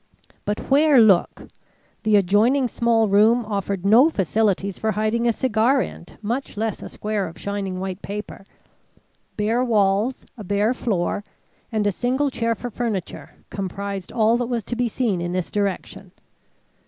But where look? The adjoining small room offered no facilities for hiding a cigar end, much less a square of shining white paper. Bare walls, a bare floor, and a single chair for furniture, comprised all that was to be seen in this direction.